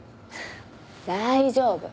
大丈夫！